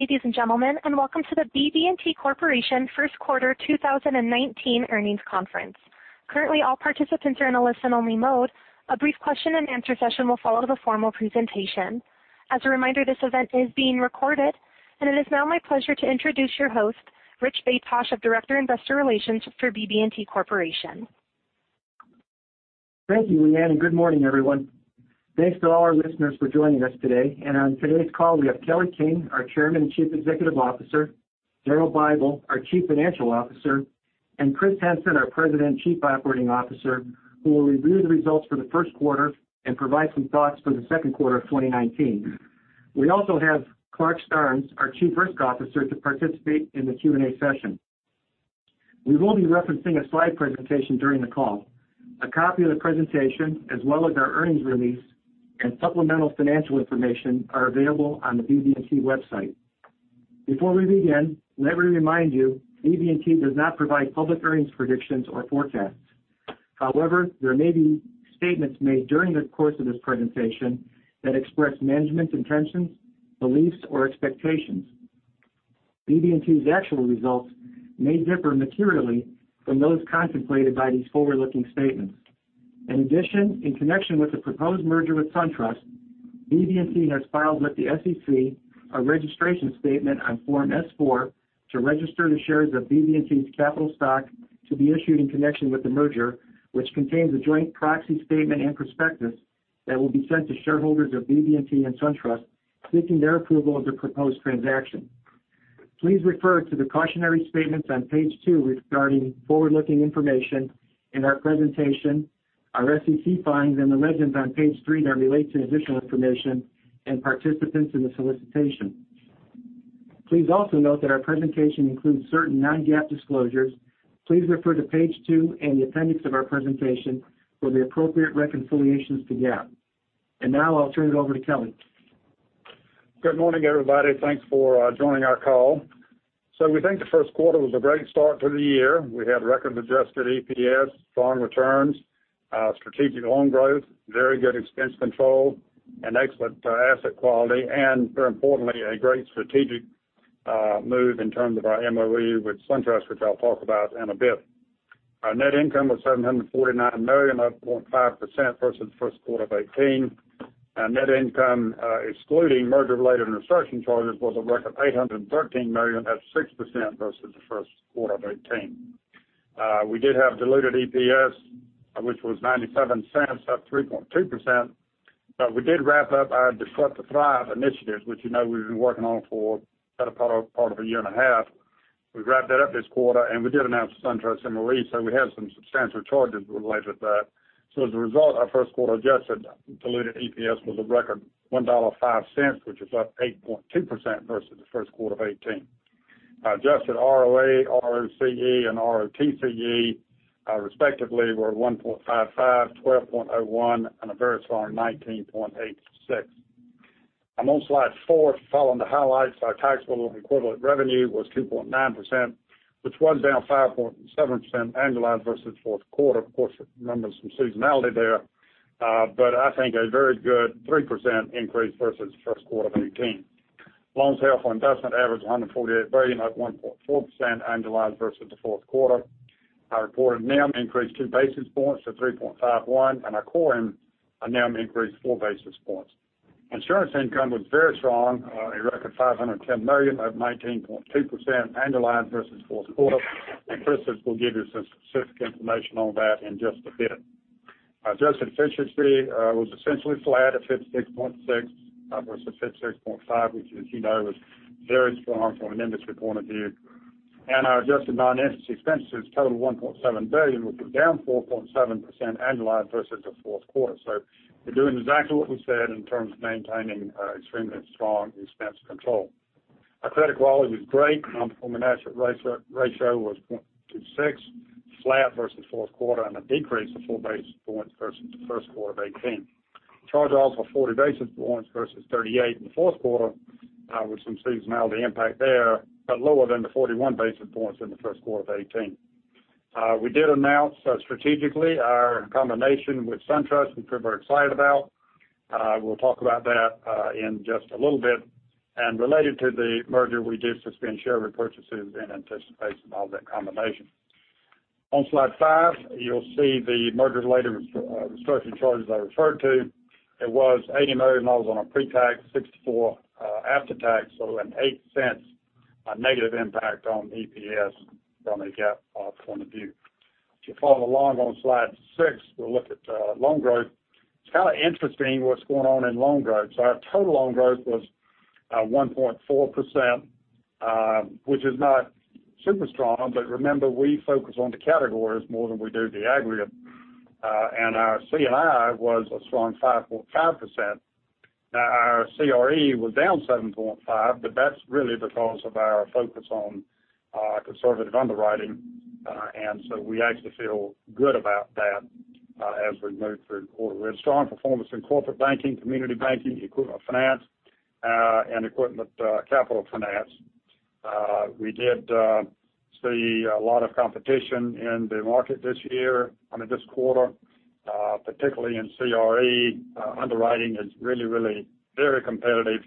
Ladies and gentlemen, welcome to the BB&T Corporation first quarter 2019 earnings conference. Currently, all participants are in a listen-only mode. A brief question and answer session will follow the formal presentation. As a reminder, this event is being recorded. It is now my pleasure to introduce your host, Rich Baytosh, Director of Investor Relations for BB&T Corporation. Thank you, Leanne, good morning, everyone. Thanks to all our listeners for joining us today. On today's call, we have Kelly King, our Chairman and Chief Executive Officer, Daryl Bible, our Chief Financial Officer, and Chris Henson, our President and Chief Operating Officer, who will review the results for the first quarter and provide some thoughts for the second quarter of 2019. We also have Clarke Starnes, our Chief Risk Officer, to participate in the Q&A session. We will be referencing a slide presentation during the call. A copy of the presentation, as well as our earnings release and supplemental financial information, are available on the BB&T website. Before we begin, let me remind you, BB&T does not provide public earnings predictions or forecasts. However, there may be statements made during the course of this presentation that express management's intentions, beliefs, or expectations. BB&T's actual results may differ materially from those contemplated by these forward-looking statements. In addition, in connection with the proposed merger with SunTrust, BB&T has filed with the SEC a registration statement on Form S-4 to register the shares of BB&T's capital stock to be issued in connection with the merger, which contains a joint proxy statement and prospectus that will be sent to shareholders of BB&T and SunTrust, seeking their approval of the proposed transaction. Please refer to the cautionary statements on page two regarding forward-looking information in our presentation, our SEC filings, and the legend on page three that relate to additional information and participants in the solicitation. Please also note that our presentation includes certain non-GAAP disclosures. Please refer to page two in the appendix of our presentation for the appropriate reconciliations to GAAP. Now I'll turn it over to Kelly. Good morning, everybody. Thanks for joining our call. We think the first quarter was a great start to the year. We had record adjusted EPS, strong returns, strategic loan growth, very good expense control, and excellent asset quality, and very importantly, a great strategic move in terms of our MOE with SunTrust, which I'll talk about in a bit. Our net income was $749 million, up 4.5% versus the first quarter of 2018. Our net income, excluding merger-related and restructuring charges, was a record $813 million, up 6% versus the first quarter of 2018. We did have diluted EPS, which was $0.97, up 3.2%. We did wrap up our Disrupt to Thrive initiatives, which you know we've been working on for better part of a year and a half. We wrapped that up this quarter, we did announce the SunTrust and the REIT, so we had some substantial charges related to that. As a result, our first quarter adjusted diluted EPS was a record $1.05, which is up 8.2% versus the first quarter of 2018. Adjusted ROA, ROCE, and ROTCE, respectively, were 1.55%, 12.01%, and a very strong 19.86%. I'm on slide four. If you follow the highlights, our taxable equivalent revenue was 2.9%, which was down 5.7% annualized versus fourth quarter. Of course, remember some seasonality there. I think a very good 3% increase versus first quarter of 2018. Loans held for investment averaged $148 billion, up 1.4% annualized versus the fourth quarter. Our reported NIM increased two basis points to 3.51%, and our core NIM increased four basis points. Insurance income was very strong, a record $510 million, up 19.2% annualized versus fourth quarter. Chris will give you some specific information on that in just a bit. Adjusted efficiency was essentially flat at 56.6% versus 56.5%, which as you know, is very strong from an industry point of view. Our adjusted non-interest expenses totaled $1.7 billion, which was down 4.7% annualized versus the fourth quarter. We're doing exactly what we said in terms of maintaining extremely strong expense control. Our credit quality was great. Nonperforming asset ratio was 0.26%, flat versus fourth quarter, and a decrease of four basis points versus the first quarter of 2018. Charge-offs were 40 basis points versus 38 in the fourth quarter, with some seasonality impact there, but lower than the 41 basis points in the first quarter of 2018. We did announce strategically our combination with SunTrust, which we're very excited about. We'll talk about that in just a little bit. Related to the merger, we did suspend share repurchases in anticipation of that combination. On slide five, you'll see the merger-related restructuring charges I referred to. It was $80 million on a pre-tax, $64 million after tax, so a $0.08 negative impact on EPS from a GAAP point of view. If you follow along on slide six, we'll look at loan growth. It's kind of interesting what's going on in loan growth. Our total loan growth was 1.4%, which is not super strong, but remember, we focus on the categories more than we do the aggregate. Our C&I was a strong 5.5%. Our CRE was down 7.5%, but that's really because of our focus on conservative underwriting. We actually feel good about that as we move through the quarter. We had strong performance in corporate banking, Community Banking, equipment finance, and equipment capital finance. We did see a lot of competition in the market this quarter. Particularly in CRE, underwriting is really very competitive.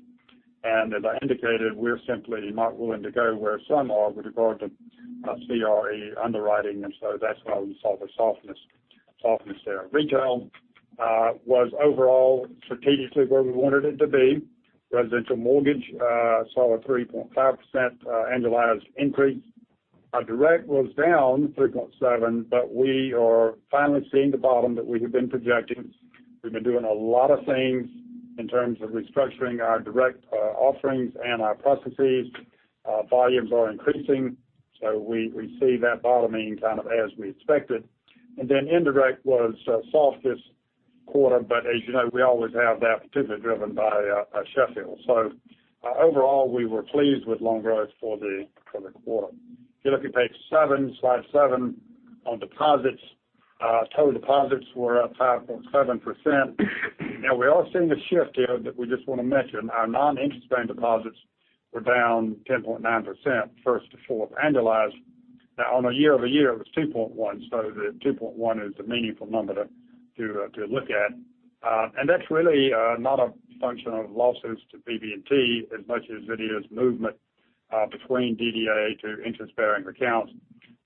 As I indicated, we're simply not willing to go where some are with regard to CRE underwriting, and so that's why we saw the softness there. Retail was overall strategically where we wanted it to be. Residential mortgage saw a 3.5% annualized increase. Our direct was down 3.7%, but we are finally seeing the bottom that we have been projecting. We've been doing a lot of things in terms of restructuring our direct offerings and our processes. Volumes are increasing. We see that bottoming kind of as we expected. Indirect was soft this quarter, but as you know, we always have that particularly driven by Sheffield. Overall, we were pleased with loan growth for the quarter. If you look at page seven, slide seven, on deposits. Total deposits were up 5.7%. We are seeing a shift here that we just want to mention. Our non-interest-bearing deposits were down 10.9% first to fourth annualized. On a year-over-year, it was 2.1, so the 2.1 is a meaningful number to look at. That's really not a function of losses to BB&T as much as it is movement between DDA to interest-bearing accounts.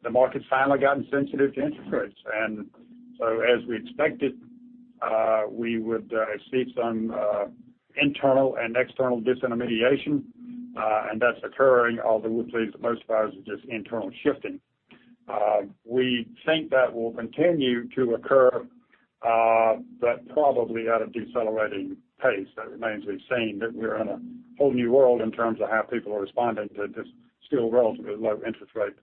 The market's finally gotten sensitive to interest rates. As we expected, we would see some internal and external disintermediation, and that's occurring, although we believe that most of ours is just internal shifting. We think that will continue to occur, probably at a decelerating pace. That remains to be seen, but we're in a whole new world in terms of how people are responding to this still relatively low interest rate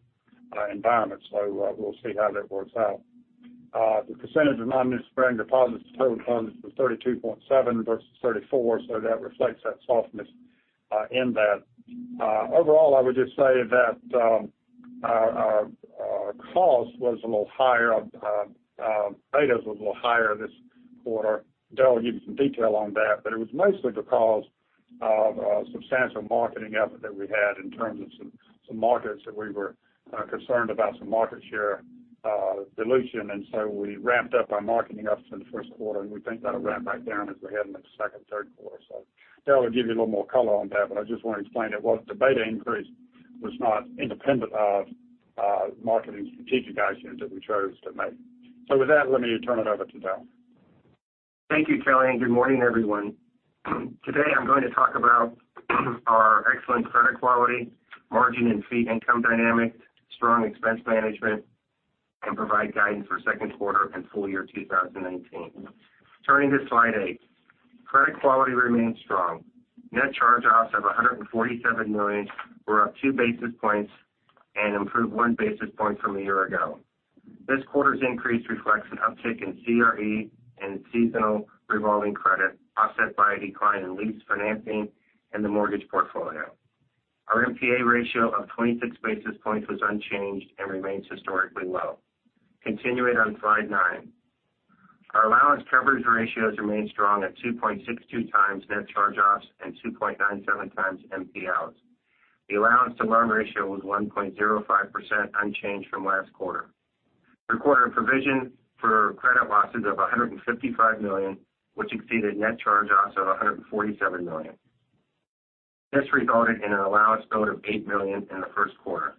environment. We'll see how that works out. The percentage of non-interest-bearing deposits to total deposits was 32.7 versus 34, that reflects that softness in that. Overall, I would just say that our cost was a little higher, betas was a little higher this quarter. Daryl will give you some detail on that, but it was mostly because of a substantial marketing effort that we had in terms of some markets that we were concerned about some market share dilution. We ramped up our marketing efforts in the first quarter, and we think that'll ramp back down as we head into the second, third quarter. Daryl will give you a little more color on that, but I just want to explain it was the beta increase was not independent of marketing strategic actions that we chose to make. With that, let me turn it over to Daryl. Thank you, Kelly, and good morning, everyone. Today, I'm going to talk about our excellent credit quality, margin and fee income dynamics, strong expense management, and provide guidance for second quarter and full year 2019. Turning to slide eight. Credit quality remains strong. Net charge-offs of $147 million were up two basis points and improved one basis point from a year ago. This quarter's increase reflects an uptick in CRE and seasonal revolving credit, offset by a decline in lease financing and the mortgage portfolio. Our NPA ratio of 26 basis points was unchanged and remains historically low. Continuing on slide nine. Our allowance coverage ratios remain strong at 2.62 times net charge-offs and 2.97 times NPLs. The allowance to loan ratio was 1.05%, unchanged from last quarter. We recorded a provision for credit losses of $155 million, which exceeded net charge-offs of $147 million. This resulted in an allowance build of $8 million in the first quarter.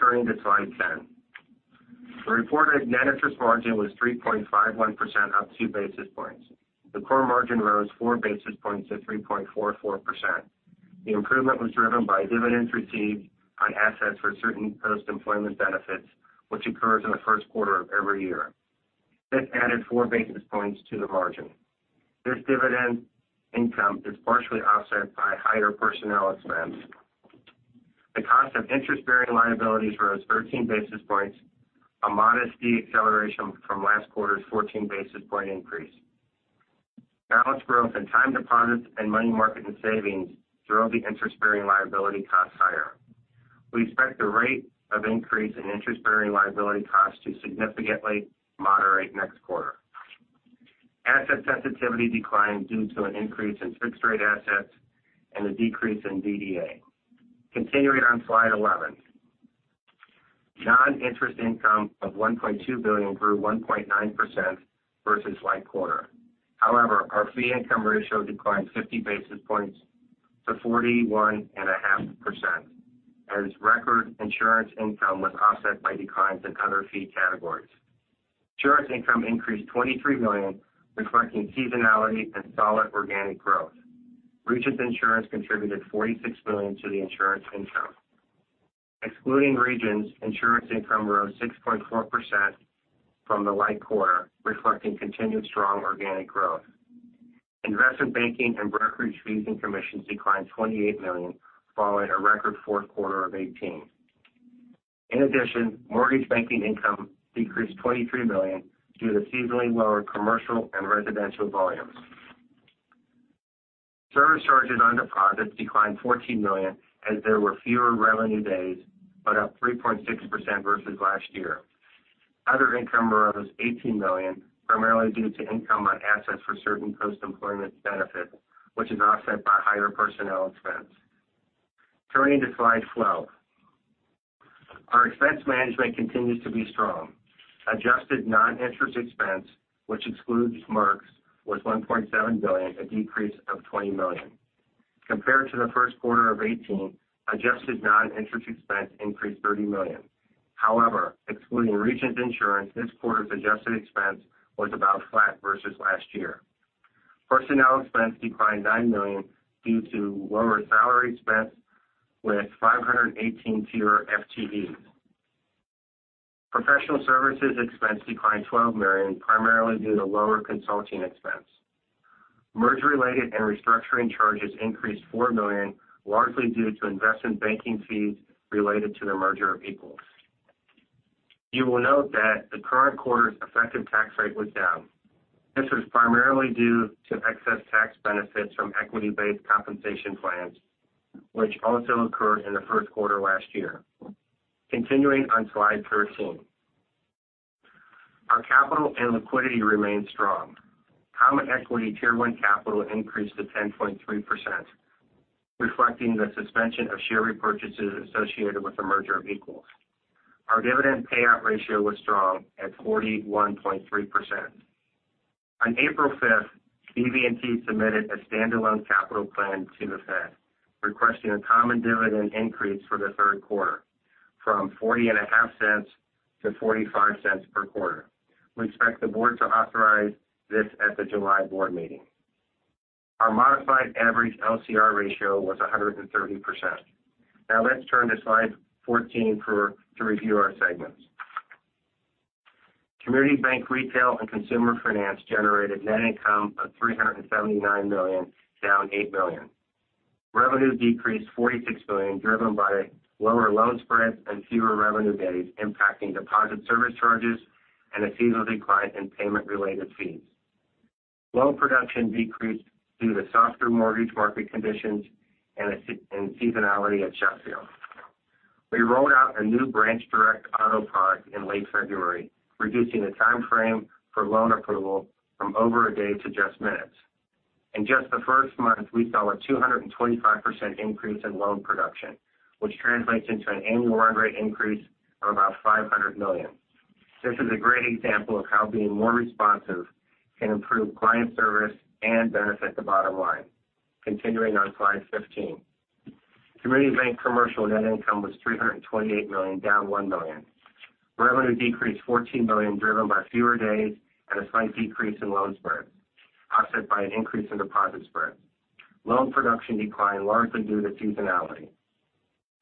Turning to slide 10. The reported net interest margin was 3.51%, up two basis points. The core margin rose four basis points to 3.44%. The improvement was driven by dividends received on assets for certain post-employment benefits, which occurs in the first quarter of every year. This added four basis points to the margin. This dividend income is partially offset by higher personnel expense. The cost of interest-bearing liabilities rose 13 basis points, a modest deceleration from last quarter's 14 basis point increase. Balance growth in time deposits and money market and savings drove the interest-bearing liability costs higher. We expect the rate of increase in interest-bearing liability costs to significantly moderate next quarter. Asset sensitivity declined due to an increase in fixed rate assets and a decrease in DDA. Continuing on slide 11. Non-interest income of $1.2 billion grew 1.9% versus like quarter. Our fee income ratio declined 50 basis points to 41.5%, as record insurance income was offset by declines in other fee categories. Insurance income increased $23 million, reflecting seasonality and solid organic growth. Regions Insurance contributed $46 million to the insurance income. Excluding Regions, insurance income rose 6.4% from the like quarter, reflecting continued strong organic growth. Investment banking and brokerage fees and commissions declined $28 million, following a record fourth quarter of 2018. In addition, mortgage banking income decreased $23 million due to seasonally lower commercial and residential volumes. Service charges on deposits declined $14 million as there were fewer revenue days, but up 3.6% versus last year. Other income rose $18 million, primarily due to income on assets for certain post-employment benefits, which is offset by higher personnel expense. Turning to slide 12. Our expense management continues to be strong. Adjusted non-interest expense, which excludes marks, was $1.7 billion, a decrease of $20 million. Compared to the first quarter of 2018, adjusted non-interest expense increased $30 million. Excluding Regions Insurance, this quarter's adjusted expense was about flat versus last year. Personnel expense declined $9 million due to lower salary expense with 518 fewer FTEs. Professional services expense declined $12 million, primarily due to lower consulting expense. Merger-related and restructuring charges increased $4 million, largely due to investment banking fees related to the Merger of Equals. You will note that the current quarter's effective tax rate was down. This was primarily due to excess tax benefits from equity-based compensation plans, which also occurred in the first quarter last year. Continuing on slide 13. Our capital and liquidity remain strong. Common equity Tier 1 capital increased to 10.3%, reflecting the suspension of share repurchases associated with the Merger of Equals. Our dividend payout ratio was strong at 41.3%. On April 5th, BB&T submitted a standalone capital plan to the Fed, requesting a common dividend increase for the third quarter from $0.405 to $0.45 per quarter. We expect the board to authorize this at the July board meeting. Our modified average LCR ratio was 113%. Now let's turn to slide 14 to review our segments. Community Banking, Retail, and Consumer Finance generated net income of $379 million, down $8 million. Revenue decreased $46 million, driven by lower loan spreads and fewer revenue days impacting deposit service charges and a seasonal decline in payment-related fees. Loan production decreased due to softer mortgage market conditions and seasonality at Sheffield. We rolled out a new branch direct auto product in late February, reducing the time frame for loan approval from over a day to just minutes. In just the first month, we saw a 225% increase in loan production, which translates into an annual run rate increase of about $500 million. This is a great example of how being more responsive can improve client service and benefit the bottom line. Continuing on slide 15. Community Bank Commercial net income was $328 million, down $1 million. Revenue decreased $14 million, driven by fewer days and a slight decrease in loan spread, offset by an increase in deposit spread. Loan production declined largely due to seasonality.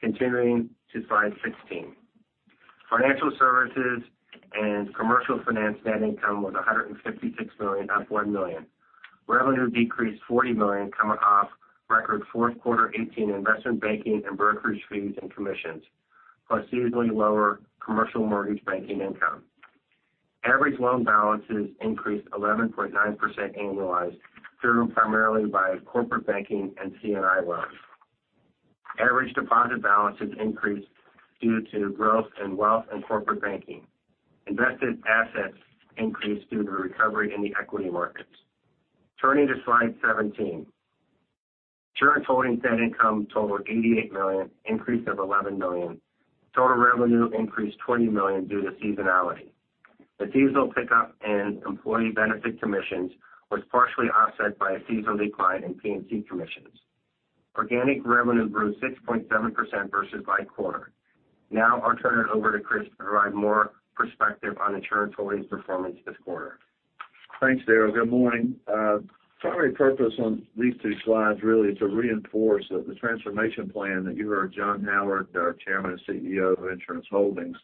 Continuing to slide 16. Financial Services and Commercial Finance net income was $156 million, up $1 million. Revenue decreased $40 million, coming off record fourth quarter 2018 investment banking and brokerage fees and commissions, plus seasonally lower commercial mortgage banking income. Average loan balances increased 11.9% annualized, driven primarily by corporate banking and C&I loans. Average deposit balances increased due to growth in wealth and corporate banking. Invested assets increased due to recovery in the equity markets. Turning to slide 17. Insurance Holdings net income totaled $88 million, increase of $11 million. Total revenue increased $20 million due to seasonality. A seasonal pickup in employee benefit commissions was partially offset by a seasonal decline in P&C commissions. Organic revenue grew 6.7% versus like quarter. I'll turn it over to Chris to provide more perspective on Insurance Holdings' performance this quarter. Thanks, Daryl. Good morning. Primary purpose on these two slides really is to reinforce that the transformation plan that you heard John Howard, our Chairman and CEO of Insurance Holdings,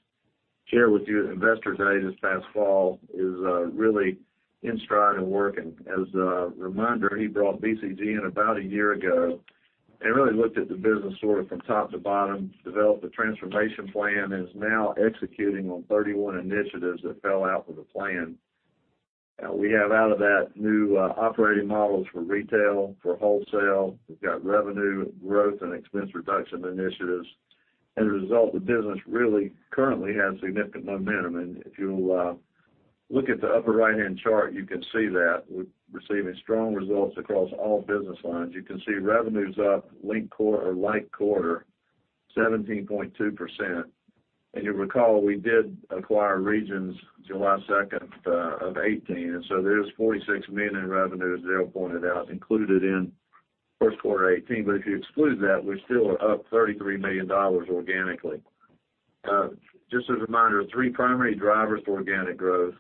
share with you at Investor Day this past fall is really in stride and working. As a reminder, he brought BCG in about a year ago and really looked at the business sort of from top to bottom, developed a transformation plan, and is now executing on 31 initiatives that fell out of the plan. We have out of that new operating models for retail, for wholesale. We've got revenue growth and expense reduction initiatives. As a result, the business really currently has significant momentum. If you'll look at the upper right-hand chart, you can see that. We're receiving strong results across all business lines. You can see revenue's up link quarter or like quarter 17.2%. You'll recall, we did acquire Regions July 2nd of 2018, and so there's $46 million in revenue, as Daryl pointed out, included in first quarter 2018. If you exclude that, we still are up $33 million organically. Just as a reminder, three primary drivers for organic growth.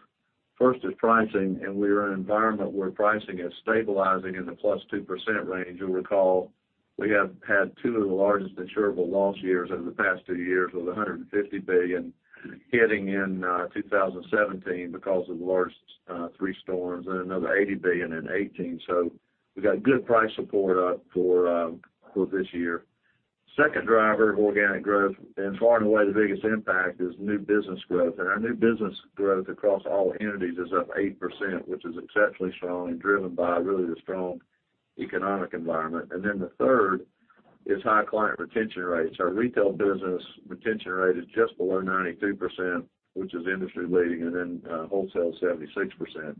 First is pricing, and we are in an environment where pricing is stabilizing in the plus 2% range. You'll recall we have had two of the largest insurable loss years over the past two years with $150 billion hitting in 2017 because of the largest three storms and another $80 billion in 2018. We got good price support up for this year. Second driver of organic growth and far and away the biggest impact is new business growth. Our new business growth across all entities is up 8%, which is exceptionally strong and driven by really the strong economic environment. The third is high client retention rates. Our retail business retention rate is just below 92%, which is industry-leading, and then wholesale is 76%.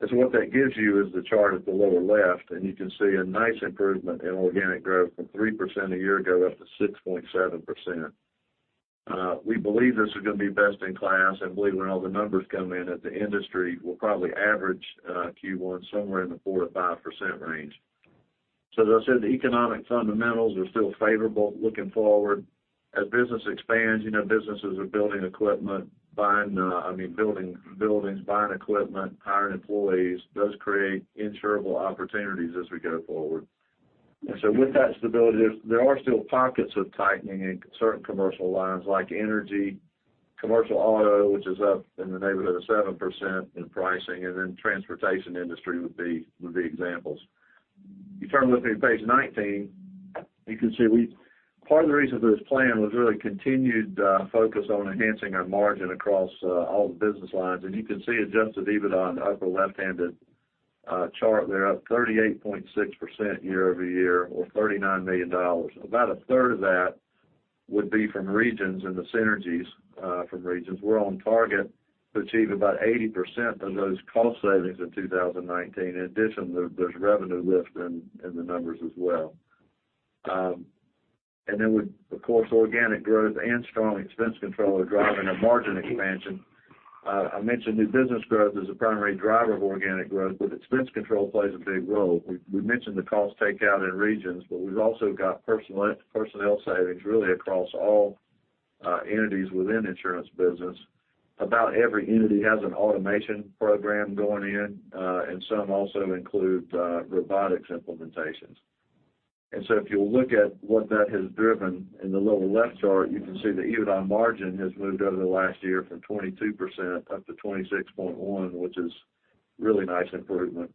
What that gives you is the chart at the lower left, and you can see a nice improvement in organic growth from 3% a year ago, up to 6.7%. We believe this is going to be best in class and believe when all the numbers come in, that the industry will probably average Q1 somewhere in the 4%-5% range. As I said, the economic fundamentals are still favorable looking forward. As business expands, businesses are building buildings, buying equipment, hiring employees, does create insurable opportunities as we go forward. With that stability, there are still pockets of tightening in certain commercial lines like energy, commercial auto, which is up in the neighborhood of 7% in pricing, and then transportation industry would be examples. If you turn with me to page 19, you can see part of the reason for this plan was really continued focus on enhancing our margin across all the business lines. You can see adjusted EBITDA on the upper left-handed chart there, up 38.6% year-over-year or $39 million. About a third of that would be from Regions and the synergies from Regions. We're on target to achieve about 80% of those cost savings in 2019. In addition, there's revenue lift in the numbers as well. With, of course, organic growth and strong expense control are driving a margin expansion. I mentioned new business growth as a primary driver of organic growth, but expense control plays a big role. We mentioned the cost takeout in Regions, but we've also got personnel savings really across all entities within insurance business. About every entity has an automation program going in, and some also include robotics implementations. If you'll look at what that has driven in the lower left chart, you can see the EBITDA margin has moved over the last year from 22% up to 26.1%, which is really nice improvement.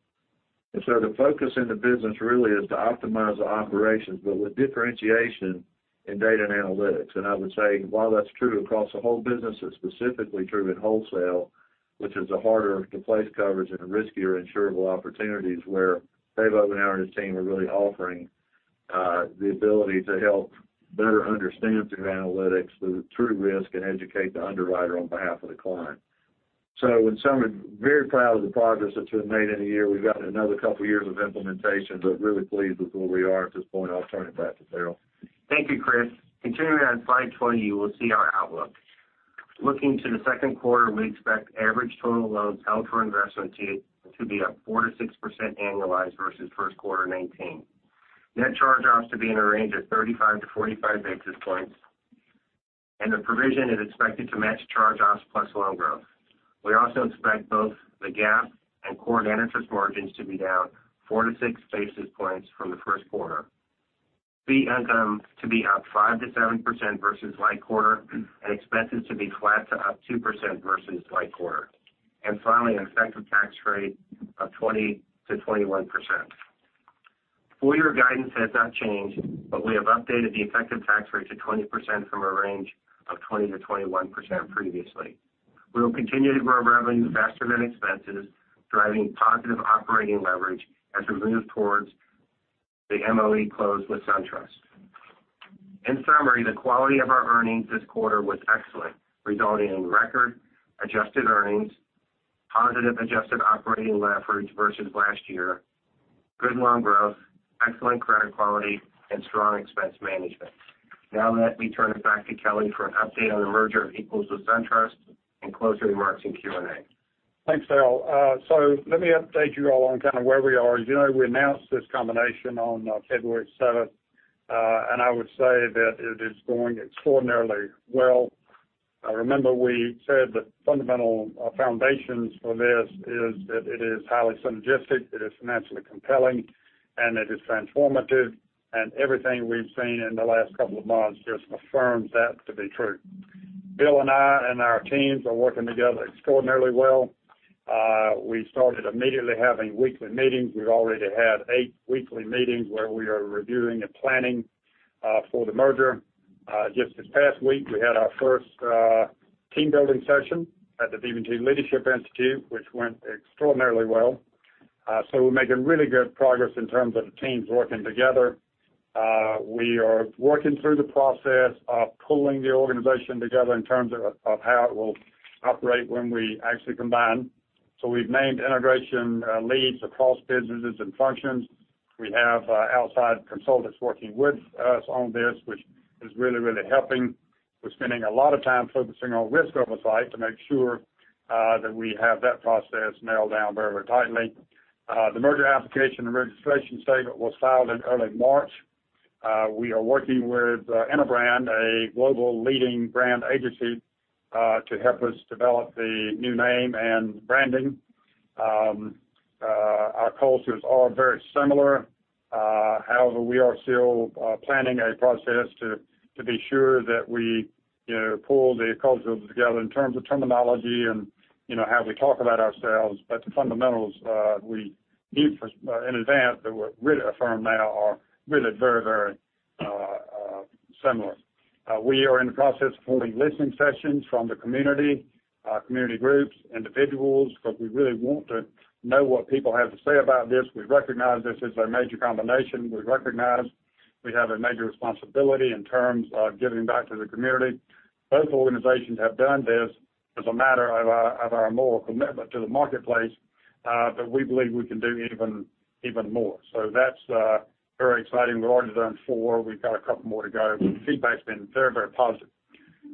The focus in the business really is to optimize the operations, but with differentiation in data and analytics. I would say while that's true across the whole business, it's specifically true in wholesale, which is a harder to place coverage and a riskier insurable opportunities where Dave Obenauer and his team are really offering the ability to help better understand through analytics the true risk and educate the underwriter on behalf of the client. In sum, I'm very proud of the progress that you have made in a year. We've got another couple of years of implementation, but really pleased with where we are at this point. I'll turn it back to Daryl. Thank you, Chris. Continuing on slide 20, you will see our outlook. Looking to the second quarter, we expect average total loans held for investment to be up 4%-6% annualized versus first quarter 2019. Net charge-offs to be in a range of 35-45 basis points, and the provision is expected to match charge-offs plus loan growth. We also expect both the GAAP and core net interest margins to be down 4-6 basis points from the first quarter. Fee income to be up 5%-7% versus like quarter, and expenses to be flat to up 2% versus like quarter. Finally, an effective tax rate of 20%-21%. Full year guidance has not changed, but we have updated the effective tax rate to 20% from a range of 20%-21% previously. We will continue to grow revenue faster than expenses, driving positive operating leverage as we move towards the MOE close with SunTrust. In summary, the quality of our earnings this quarter was excellent, resulting in record adjusted earnings, positive adjusted operating leverage versus last year, good loan growth, excellent credit quality, and strong expense management. Let me turn it back to Kelly for an update on the Merger of Equals with SunTrust, and closing remarks and Q&A. Thanks, Daryl. Let me update you all on kind of where we are. As you know, we announced this combination on February 7th, I would say that it is going extraordinarily well. Remember we said the fundamental foundations for this is that it is highly synergistic, it is financially compelling, it is transformative, everything we've seen in the last couple of months just affirms that to be true. Bill and I and our teams are working together extraordinarily well. We started immediately having weekly meetings. We've already had eight weekly meetings where we are reviewing and planning for the merger. Just this past week, we had our first team-building session at the BB&T Leadership Institute, which went extraordinarily well. We're making really good progress in terms of the teams working together. We are working through the process of pulling the organization together in terms of how it will operate when we actually combine. We've named integration leads across businesses and functions. We have outside consultants working with us on this, which is really helping. We're spending a lot of time focusing on risk oversight to make sure that we have that process nailed down very tightly. The merger application and registration statement was filed in early March. We are working with Interbrand, a global leading brand agency, to help us develop the new name and branding. Our cultures are very similar. However, we are still planning a process to be sure that we pull the cultures together in terms of terminology and how we talk about ourselves. The fundamentals we knew in advance that were really affirmed now are really very, very similar. We are in the process of holding listening sessions from the community groups, individuals, because we really want to know what people have to say about this. We recognize this is a major combination. We recognize We have a major responsibility in terms of giving back to the community. Both organizations have done this as a matter of our moral commitment to the marketplace, but we believe we can do even more. That's very exciting. We've already done four. We've got a couple more to go. The feedback's been very positive.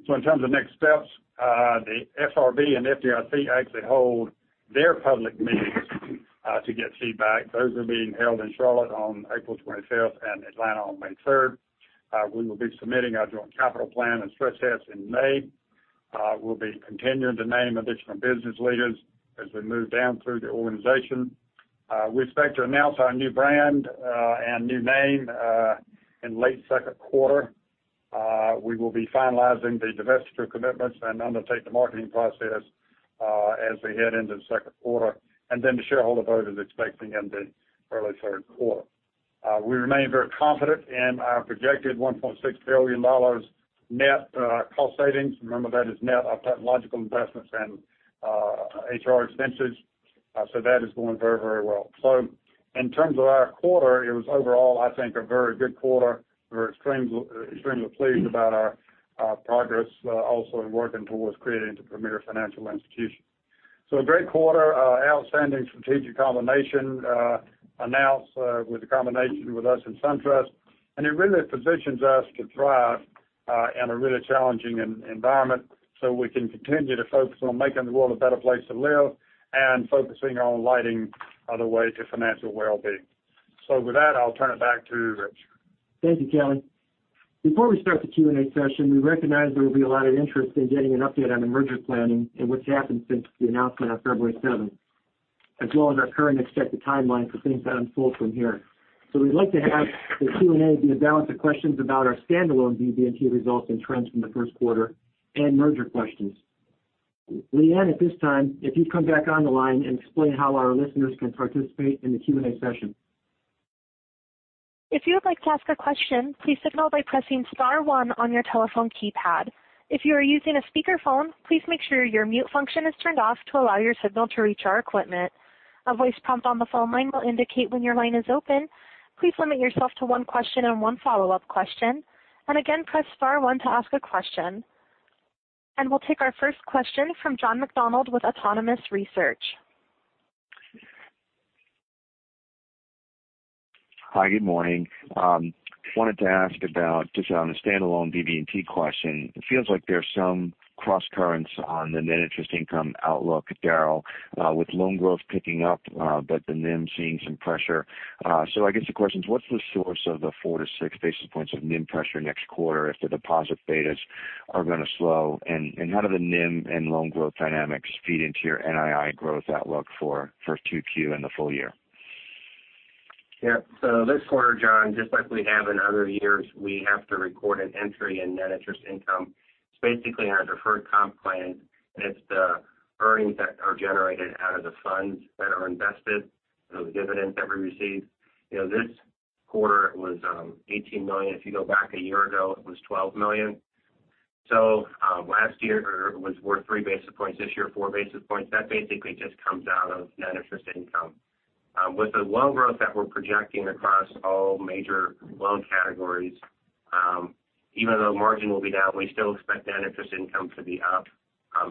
In terms of next steps, the FRB and FDIC actually hold their public meetings to get feedback. Those are being held in Charlotte on April 25th and Atlanta on May 3rd. We will be submitting our joint capital plan and stress tests in May. We will be continuing to name additional business leaders as we move down through the organization. We expect to announce our new brand and new name in late second quarter. We will be finalizing the divestiture commitments and undertake the marketing process as we head into the second quarter, the shareholder vote is expected in the early third quarter. We remain very confident in our projected $1.6 billion net cost savings. Remember, that is net of technological investments and HR expenses. That is going very well. In terms of our quarter, it was overall, I think, a very good quarter. We're extremely pleased about our progress also in working towards creating the premier financial institution. A great quarter. Outstanding strategic combination announced with the combination with us and SunTrust, it really positions us to thrive in a really challenging environment we can continue to focus on making the world a better place to live and focusing on lighting the way to financial wellbeing. With that, I'll turn it back to Rich. Thank you, Kelly. Before we start the Q&A session, we recognize there will be a lot of interest in getting an update on the merger planning and what's happened since the announcement on February seventh, as well as our current expected timeline for things to unfold from here. We'd like to have the Q&A be a balance of questions about our standalone BB&T results and trends from the first quarter and merger questions. Leanne, at this time, if you'd come back on the line and explain how our listeners can participate in the Q&A session. If you would like to ask a question, please signal by pressing star one on your telephone keypad. If you are using a speakerphone, please make sure your mute function is turned off to allow your signal to reach our equipment. A voice prompt on the phone line will indicate when your line is open. Please limit yourself to one question and one follow-up question. Again, press star one to ask a question. We'll take our first question from John McDonald with Autonomous Research. Hi, good morning. Wanted to ask about, just on a standalone BB&T question. It feels like there's some crosscurrents on the net interest income outlook, Daryl, with loan growth picking up but the NIM seeing some pressure. I guess the question is, what's the source of the 4-6 basis points of NIM pressure next quarter if the deposit betas are going to slow? How do the NIM and loan growth dynamics feed into your NII growth outlook for 2Q and the full year? Yeah. This quarter, John, just like we have in other years, we have to record an entry in net interest income. It's basically our deferred comp plan, and it's the earnings that are generated out of the funds that are invested, those dividends that we receive. This quarter, it was $18 million. If you go back a year ago, it was $12 million. Last year it was worth 3 basis points, this year, 4 basis points. That basically just comes out of net interest income. With the loan growth that we're projecting across all major loan categories, even though margin will be down, we still expect net interest income to be up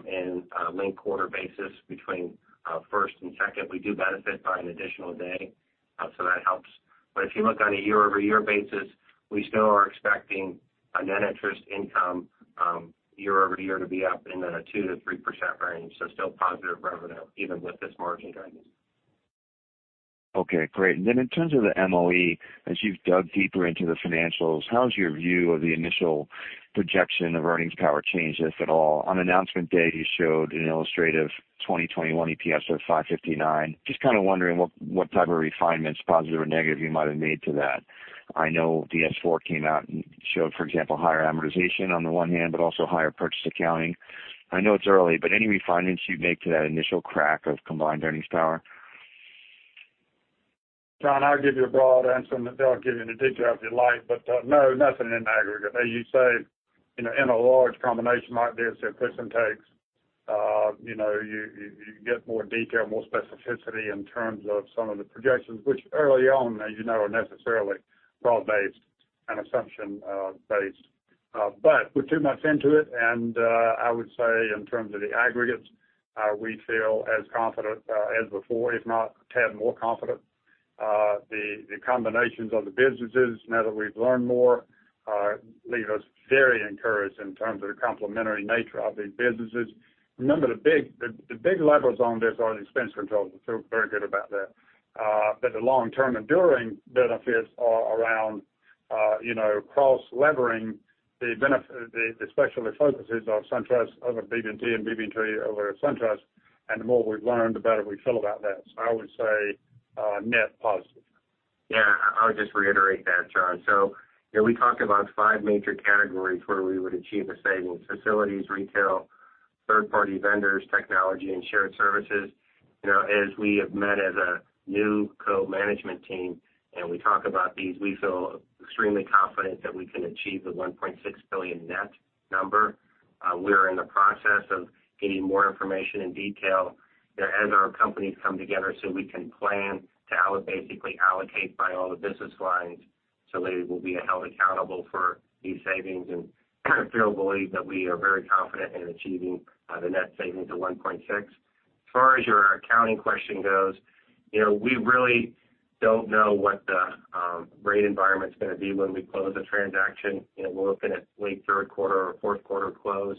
in a linked quarter basis between first and second. We do benefit by an additional day, so that helps. If you look on a year-over-year basis, we still are expecting net interest income year-over-year to be up in a 2%-3% range. Still positive revenue even with this margin guidance. Okay, great. Then in terms of the MOE, as you've dug deeper into the financials, how has your view of the initial projection of earnings power changed, if at all? On announcement day, you showed an illustrative 2021 EPS of $5.59. Just kind of wondering what type of refinements, positive or negative, you might have made to that. I know S-4 came out and showed, for example, higher amortization on the one hand, but also higher purchase accounting. I know it's early, but any refinements you'd make to that initial crack of combined earnings power? John, I'll give you a broad answer, then Daryl will give you the detail if you like. No, nothing in aggregate. As you say, in a large combination like this, there are gives and takes. You get more detail, more specificity in terms of some of the projections, which early on, as you know, are necessarily broad-based and assumption-based. We're two months into it, and I would say in terms of the aggregates, we feel as confident as before, if not a tad more confident. The combinations of the businesses, now that we've learned more, leave us very encouraged in terms of the complementary nature of these businesses. Remember, the big levers on this are the expense controls. We feel very good about that. The long-term enduring benefits are around cross-levering the specialty focuses of SunTrust over BB&T and BB&T over SunTrust. The more we've learned, the better we feel about that. I would say net positive. Yeah, I would just reiterate that, John. We talked about five major categories where we would achieve a saving. Facilities, retail, third-party vendors, technology, and shared services. As we have met as a new co-management team and we talk about these, we feel extremely confident that we can achieve the $1.6 billion net number. We're in the process of getting more information in detail as our companies come together so we can plan to basically allocate by all the business lines so they will be held accountable for these savings. [Gonna still] believe that we are very confident in achieving the net savings of 1.6. As far as your accounting question goes, we really don't know what the rate environment's going to be when we close the transaction. We're looking at late third quarter or fourth quarter close.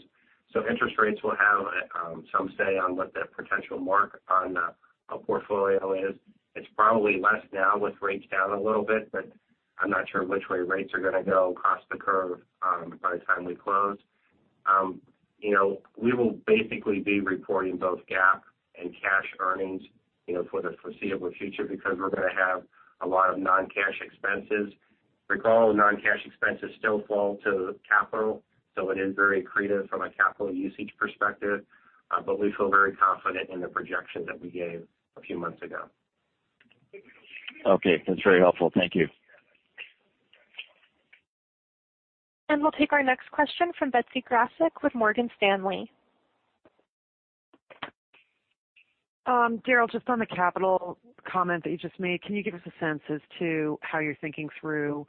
Interest rates will have some say on what the potential mark on the portfolio is. It's probably less now with rates down a little bit, but I'm not sure which way rates are going to go across the curve by the time we close. We will basically be reporting both GAAP and cash earnings for the foreseeable future because we're going to have a lot of non-cash expenses. Recall non-cash expenses still fall to capital, so it is very accretive from a capital usage perspective. We feel very confident in the projection that we gave a few months ago. Okay. That's very helpful. Thank you. We'll take our next question from Betsy Graseck with Morgan Stanley. Daryl, just on the capital comment that you just made, can you give us a sense as to how you're thinking through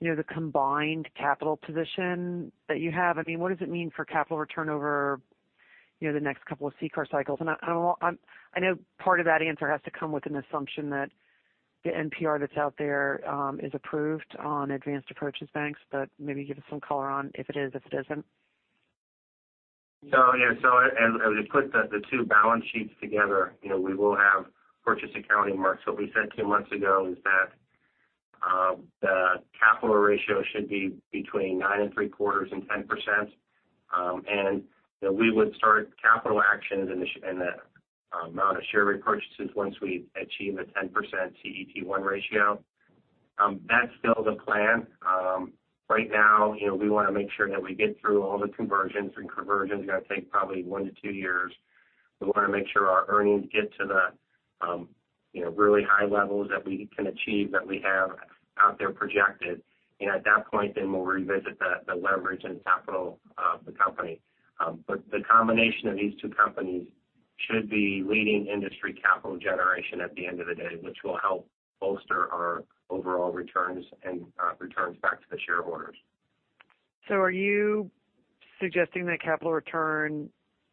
the combined capital position that you have? What does it mean for capital return over the next couple of CCAR cycles? I know part of that answer has to come with an assumption that the NPR that's out there is approved on advanced approaches banks, but maybe give us some color on if it is, if it isn't. As we put the two balance sheets together, we will have purchase accounting marks. What we said two months ago is that the capital ratio should be between nine and three quarters and 10%. That we would start capital actions and the amount of share repurchases once we achieve the 10% CET1 ratio. That's still the plan. Right now, we want to make sure that we get through all the conversions, and conversion's going to take probably one to two years. We want to make sure our earnings get to the really high levels that we can achieve, that we have out there projected. At that point, then we'll revisit the leverage and capital of the company. The combination of these two companies should be leading industry capital generation at the end of the day, which will help bolster our overall returns and returns back to the shareholders. Are you suggesting that capital return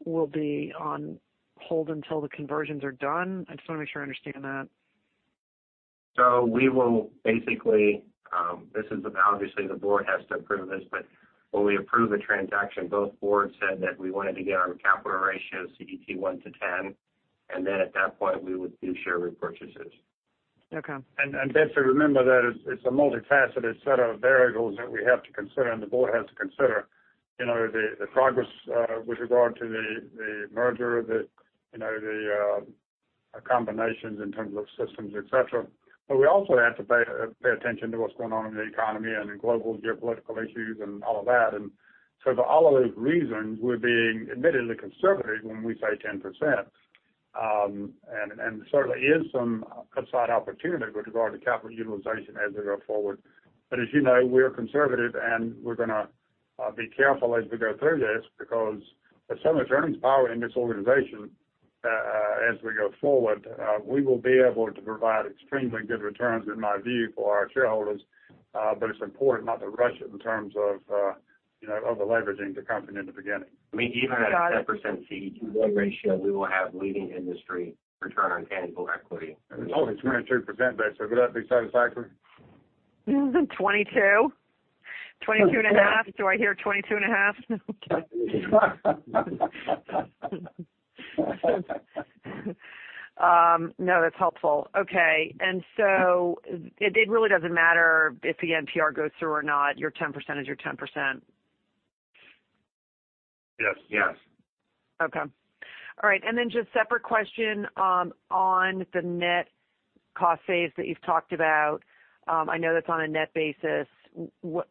will be on hold until the conversions are done? I just want to make sure I understand that. We will basically, obviously the board has to approve this, but when we approve a transaction, both boards said that we wanted to get our capital ratio CET1 to 10, and then at that point we would do share repurchases. Okay. Betsy, remember that it's a multifaceted set of variables that we have to consider, and the board has to consider. The progress with regard to the merger, the combinations in terms of systems, et cetera. We also have to pay attention to what's going on in the economy and in global geopolitical issues and all of that. For all of those reasons, we're being admittedly conservative when we say 10%. There certainly is some upside opportunity with regard to capital utilization as we go forward. As you know, we're conservative, and we're going to be careful as we go through this because there's so much earnings power in this organization as we go forward. We will be able to provide extremely good returns, in my view, for our shareholders. It's important not to rush it in terms of over-leveraging the company in the beginning. I mean, even at a 10% CET1 ratio, we will have leading industry return on tangible equity. It's only 22%, Betsy. Would that be satisfactory? 22? 22 and a half. Do I hear 22 and a half? No, that's helpful. Okay. It really doesn't matter if the NPR goes through or not. Your 10% is your 10%. Yes. Yes. Okay. All right. Just separate question on the net cost saves that you've talked about. I know that's on a net basis.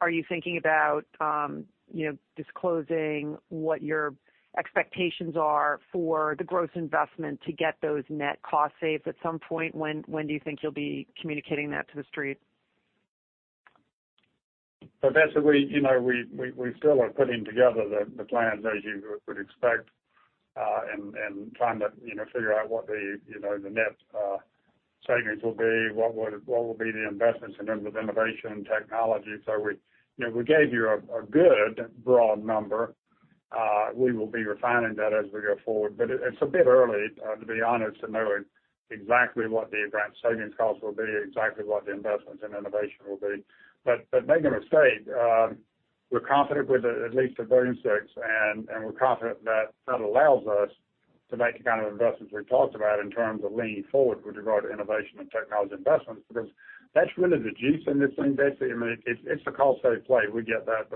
Are you thinking about disclosing what your expectations are for the gross investment to get those net cost saves at some point? When do you think you'll be communicating that to the street? Betsy, we still are putting together the plans as you would expect, and trying to figure out what the net savings will be, what will be the investments in terms of innovation and technology. We gave you a good broad number. We will be refining that as we go forward. It's a bit early, to be honest, to know exactly what the advanced savings costs will be, exactly what the investments in innovation will be. Make no mistake, we're confident with at least $1.6 billion, and we're confident that that allows us to make the kind of investments we've talked about in terms of leaning forward with regard to innovation and technology investments because that's really the juice in this thing, Betsy. I mean, it's a cost-save play. We get that.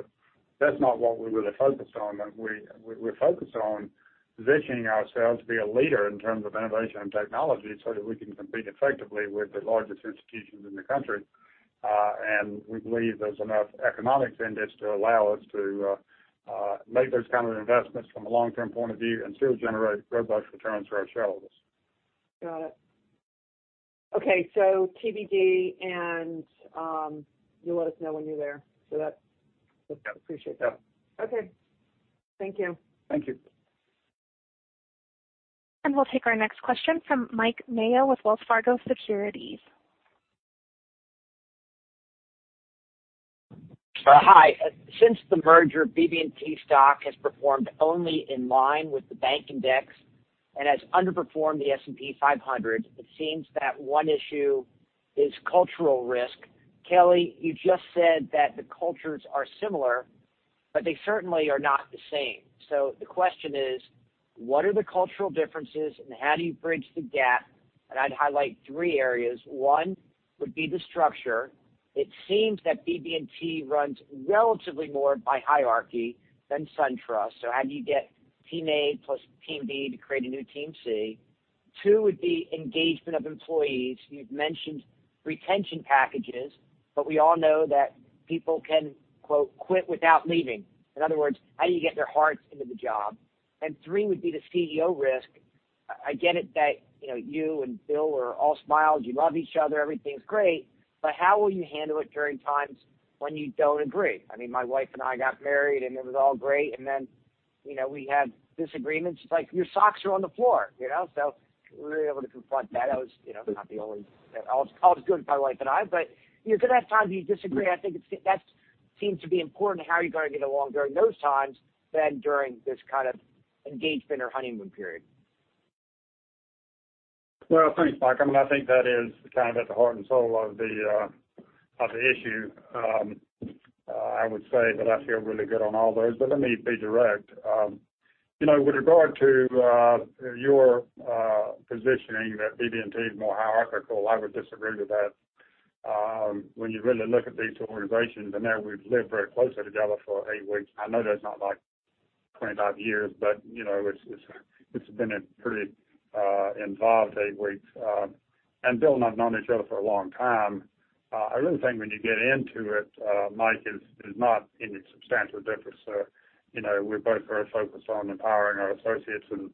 That's not what we're really focused on. We're focused on positioning ourselves to be a leader in terms of innovation and technology so that we can compete effectively with the largest institutions in the country. We believe there's enough economics in this to allow us to make those kind of investments from a long-term point of view and still generate robust returns for our shareholders. Got it. Okay. TBD, you'll let us know when you're there. Yes. Appreciate that. Yeah. Okay. Thank you. Thank you. We'll take our next question from Mike Mayo with Wells Fargo Securities. Hi. Since the merger, BB&T stock has performed only in line with the bank index and has underperformed the S&P 500. It seems that one issue is cultural risk. Kelly, you just said that the cultures are similar, but they certainly are not the same. The question is, what are the cultural differences and how do you bridge the gap? I'd highlight three areas. One would be the structure. It seems that BB&T runs relatively more by hierarchy than SunTrust. How do you get team A plus team B to create a new team C? Two would be engagement of employees. You've mentioned retention packages, but we all know that people can quote, "Quit without leaving." In other words, how do you get their hearts into the job? Three would be the CEO risk. I get it that you and Bill are all smiles. You love each other. Everything's great. How will you handle it during times when you don't agree? My wife and I got married, it was all great. We had disagreements like, "Your socks are on the floor." We were able to confront that. All is good with my wife and I, but you're going to have times you disagree. I think that seems to be important how you're going to get along during those times than during this kind of engagement or honeymoon period. Well, thanks, Mike. I think that is at the heart and soul of the issue. I would say that I feel really good on all those. Let me be direct. With regard to your positioning that BB&T is more hierarchical, I would disagree with that. When you really look at these two organizations, now we've lived very closely together for eight weeks. I know that's not like 25 years, but it's been a pretty involved eight weeks. Bill and I've known each other for a long time. I really think when you get into it, Mike, there's not any substantial difference. We're both very focused on empowering our associates and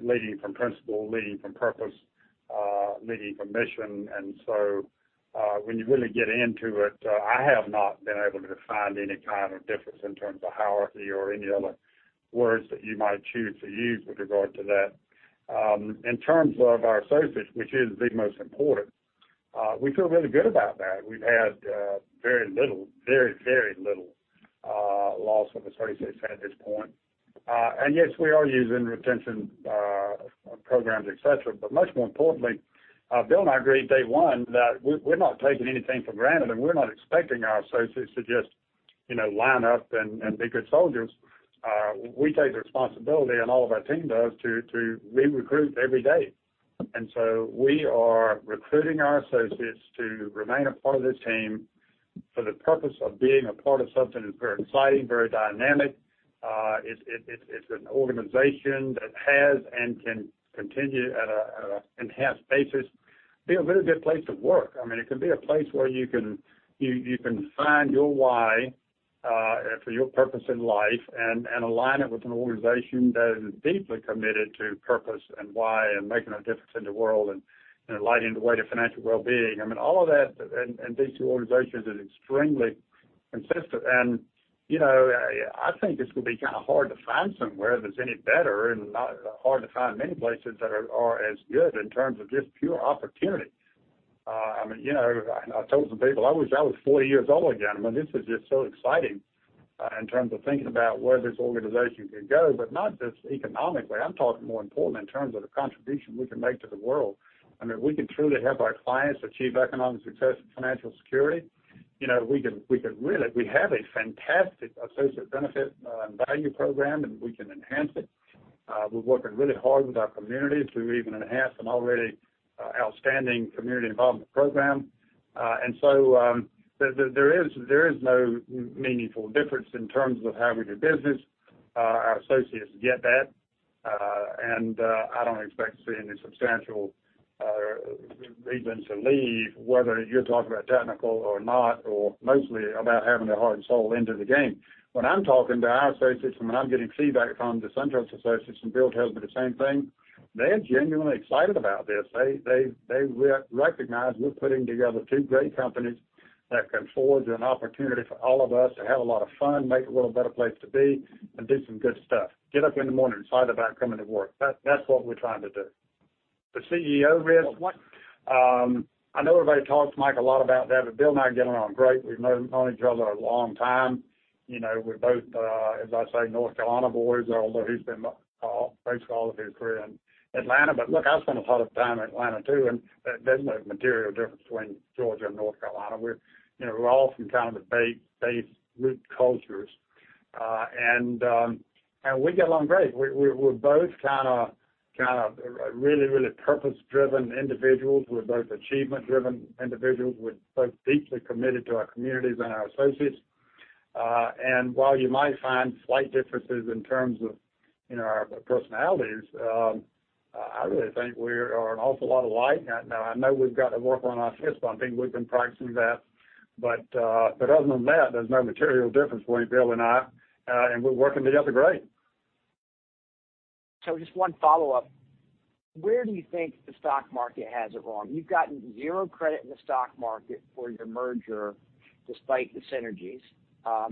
leading from principle, leading from purpose, leading from mission. When you really get into it, I have not been able to find any kind of difference in terms of hierarchy or any other words that you might choose to use with regard to that. In terms of our associates, which is the most important, we feel really good about that. We've had very little loss of associates at this point. Yes, we are using retention programs, et cetera. Much more importantly, Bill and I agreed day one that we're not taking anything for granted, and we're not expecting our associates to just line up and be good soldiers. We take the responsibility, and all of our team does, to re-recruit every day. We are recruiting our associates to remain a part of this team for the purpose of being a part of something that's very exciting, very dynamic. It's an organization that has and can continue at an enhanced basis, be a really good place to work. It can be a place where you can find your why for your purpose in life and align it with an organization that is deeply committed to purpose and why and making a difference in the world and lighting the way to financial well-being. All of that, these two organizations are extremely consistent. I think it's going to be hard to find somewhere that's any better and hard to find many places that are as good in terms of just pure opportunity. I told some people I wish I was 40 years old again. This is just so exciting in terms of thinking about where this organization could go, but not just economically. I'm talking more important in terms of the contribution we can make to the world. We can truly help our clients achieve economic success and financial security. We have a fantastic associate benefit and value program, and we can enhance it. We're working really hard with our communities to even enhance an already outstanding community involvement program. There is no meaningful difference in terms of how we do business. Our associates get that. I don't expect to see any substantial reasons to leave, whether you're talking about technical or not, or mostly about having their heart and soul into the game. When I'm talking to our associates, and when I'm getting feedback from the SunTrust associates, and Bill tells me the same thing, they're genuinely excited about this. They recognize we're putting together two great companies that can forge an opportunity for all of us to have a lot of fun, make it a little better place to be, and do some good stuff. Get up in the morning, excited about coming to work. That's what we're trying to do. The CEO risk, I know everybody talks, Mike, a lot about that, Bill and I get along great. We've known each other a long time. We're both, as I say, North Carolina boys, although he's been basically all of his career in Atlanta. Look, I've spent a lot of time in Atlanta, too, and there's no material difference between Georgia and North Carolina. We're all from kind of the base root cultures. We get along great. We're both kind of really purpose-driven individuals. We're both achievement-driven individuals. We're both deeply committed to our communities and our associates. While you might find slight differences in terms of our personalities, I really think we are an awful lot alike. I know we've got to work on our fist bump thing. We've been practicing that. Other than that, there's no material difference between Bill and I. We're working together great. Just one follow-up. Where do you think the stock market has it wrong? You've gotten zero credit in the stock market for your merger despite the synergies,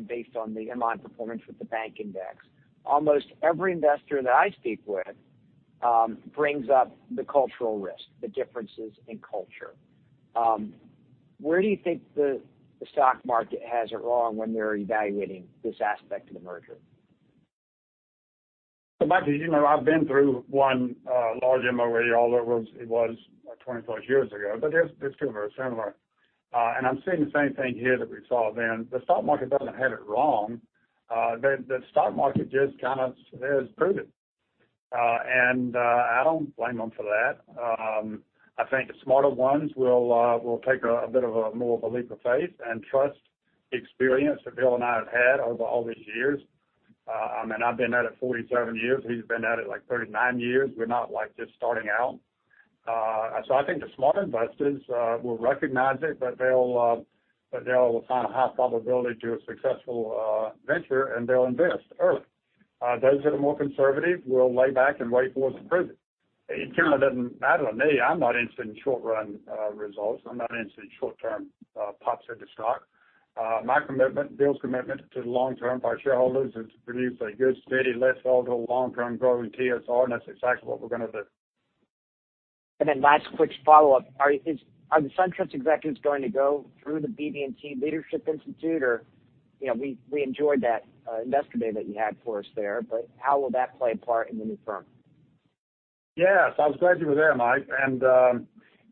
based on the MOE performance with the bank index. Almost every investor that I speak with brings up the cultural risk, the differences in culture. Where do you think the stock market has it wrong when they're evaluating this aspect of the merger? Mike, as you know, I've been through one large M&A, although it was 20-plus years ago. They're similar. I'm seeing the same thing here that we saw then. The stock market doesn't have it wrong. The stock market just kind of is prudent. I don't blame them for that. I think the smarter ones will take a bit of a more of a leap of faith and trust the experience that Bill and I have had over all these years. I've been at it 47 years. He's been at it, like, 39 years. We're not just starting out. I think the smart investors will recognize it, that they'll find a high probability to a successful venture, and they'll invest early. Those that are more conservative will lay back and wait for us to prove it. It kind of doesn't matter to me. I'm not interested in short-run results. I'm not interested in short-term pops of the stock. My commitment, Bill's commitment to the long-term by shareholders is to produce a good, steady, less volatile, long-term growing TSR. That's exactly what we're going to do. last quick follow-up. Are the SunTrust executives going to go through the BB&T Leadership Institute? We enjoyed that investor day that you had for us there, how will that play a part in the new firm? Yes, I was glad you were there, Mike.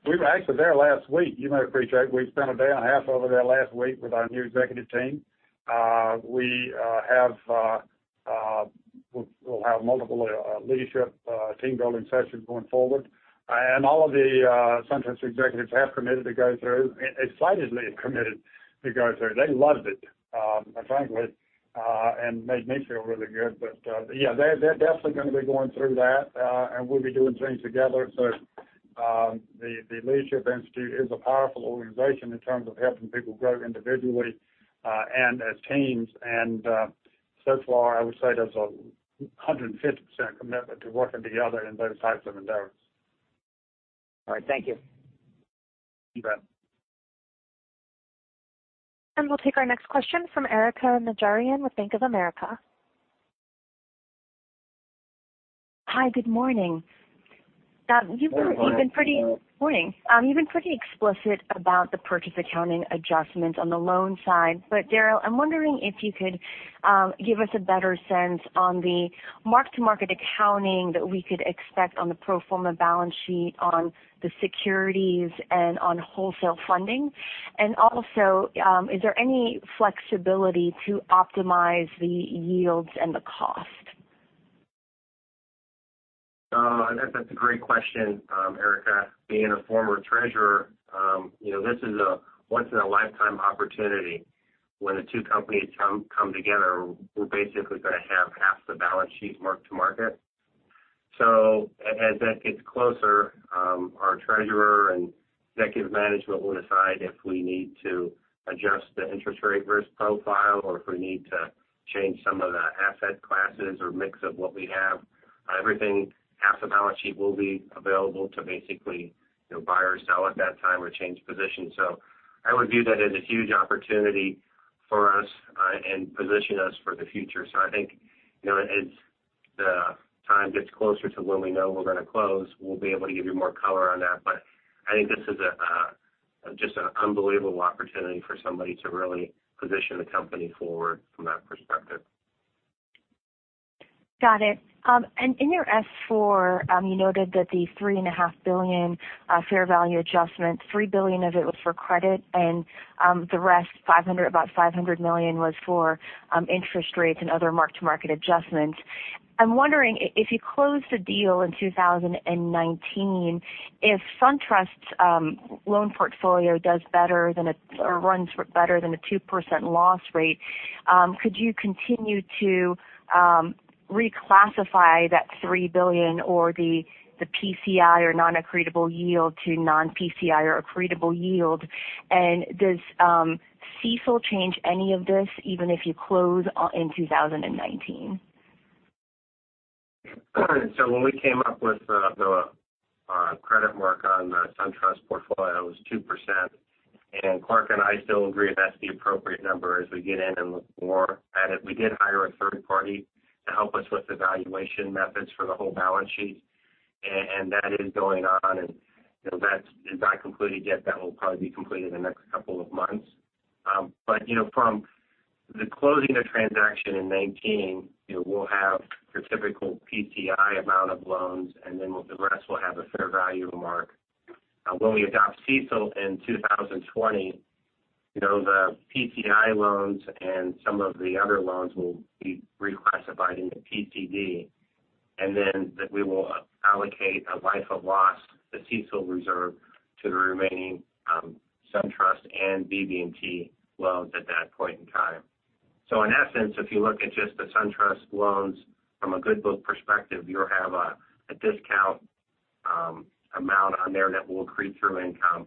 We were actually there last week. You may appreciate we spent a day and a half over there last week with our new executive team. We'll have multiple leadership team-building sessions going forward. All of the SunTrust executives have committed to go through, excitedly have committed to go through. They loved it, frankly, and made me feel really good. Yeah, they're definitely going to be going through that. We'll be doing things together. The Leadership Institute is a powerful organization in terms of helping people grow individually and as teams. So far, I would say there's a 150% commitment to working together in those types of endeavors. All right. Thank you. You bet. We'll take our next question from Erika Najarian with Bank of America. Hi, good morning. Good morning. Morning. You've been pretty explicit about the purchase accounting adjustments on the loan side. Daryl, I'm wondering if you could give us a better sense on the mark-to-market accounting that we could expect on the pro forma balance sheet on the securities and on wholesale funding. Also, is there any flexibility to optimize the yields and the cost? That's a great question, Erika. Being a former treasurer, this is a once-in-a-lifetime opportunity. When the two companies come together, we're basically going to have half the balance sheet mark to market. As that gets closer, our treasurer and executive management will decide if we need to adjust the interest rate risk profile or if we need to change some of the asset classes or mix of what we have. Everything, half the balance sheet will be available to basically buy or sell at that time or change positions. I would view that as a huge opportunity for us and position us for the future. I think, as the time gets closer to when we know we're going to close, we'll be able to give you more color on that. I think this is just an unbelievable opportunity for somebody to really position the company forward from that perspective. Got it. In your S-4, you noted that the $3.5 billion fair value adjustment, $3 billion of it was for credit and the rest, about $500 million, was for interest rates and other mark-to-market adjustments. I'm wondering if you close the deal in 2019, if SunTrust's loan portfolio does better than, or runs better than a 2% loss rate, could you continue to reclassify that $3 billion or the PCI or non-accretable yield to non-PCI or accretable yield? Does CECL change any of this, even if you close in 2019? When we came up with the credit mark on the SunTrust portfolio, it was 2%. Clarke and I still agree that's the appropriate number as we get in and look more at it. We did hire a third party to help us with evaluation methods for the whole balance sheet. That is going on, and that is not completed yet. That will probably be completed in the next couple of months. From the closing of transaction in 2019, we'll have your typical PCI amount of loans, and then the rest will have a fair value mark. When we adopt CECL in 2020, the PCI loans and some of the other loans will be reclassified into PCD, and then we will allocate a life of loss, the CECL reserve to the remaining SunTrust and BB&T loans at that point in time. In essence, if you look at just the SunTrust loans from a good book perspective, you have a discountamount on there that we'll accrete through income,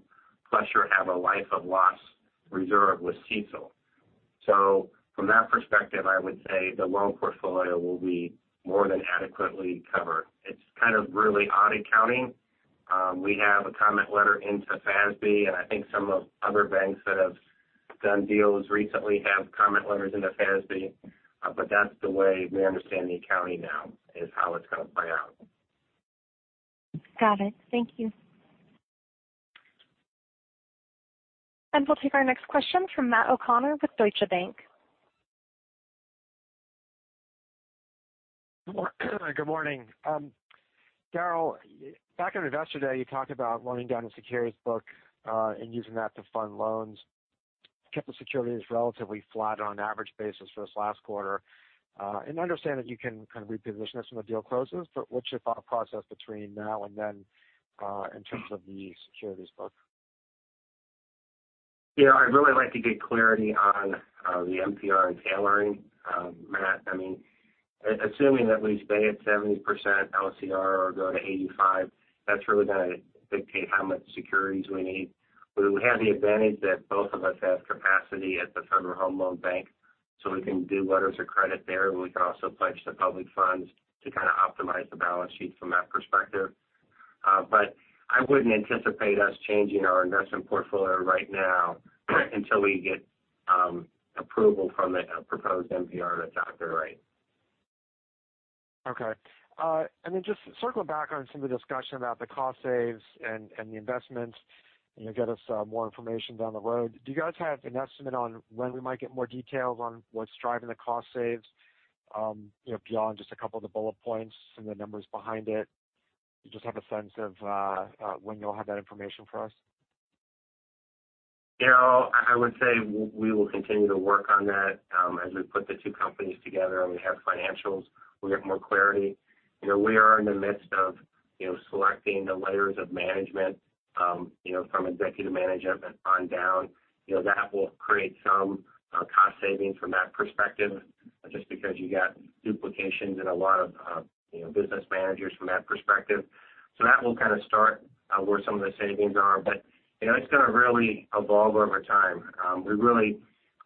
plus you have a life of loss reserve with CECL. From that perspective, I would say the loan portfolio will be more than adequately covered. It's kind of really odd accounting. We have a comment letter into FASB, and I think some of other banks that have done deals recently have comment letters into FASB. That's the way we understand the accounting now is how it's going to play out. Got it. Thank you. We'll take our next question from Matt O'Connor with Deutsche Bank. Good morning. Daryl, back at Investor Day, you talked about loading down the securities book, and using that to fund loans. Kept the securities relatively flat on an average basis for this last quarter. I understand that you can kind of reposition this when the deal closes, what's your thought process between now and then, in terms of the securities book? I'd really like to get clarity on the NPR tailoring, Matt. Assuming that we stay at 70% LCR or go to 85, that's really going to dictate how much securities we need. We have the advantage that both of us have capacity at the Federal Home Loan Bank, so we can do letters of credit there. We can also pledge the public funds to kind of optimize the balance sheet from that perspective. I wouldn't anticipate us changing our investment portfolio right now until we get approval from the proposed NPR to adopt the right. Okay. Just circling back on some of the discussion about the cost saves and the investments, get us more information down the road. Do you guys have an estimate on when we might get more details on what's driving the cost saves, beyond just a couple of the bullet points and the numbers behind it? Do you just have a sense of when you'll have that information for us? I would say we will continue to work on that as we put the 2 companies together and we have financials, we'll get more clarity. We are in the midst of selecting the layers of management from executive management on down. That will create some cost savings from that perspective, just because you got duplications in a lot of business managers from that perspective. That will kind of start where some of the savings are. It's going to really evolve over time. We really